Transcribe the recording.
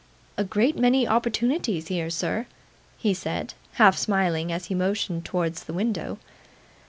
'A great many opportunities here, sir,' he said, half smiling as he motioned towards the window.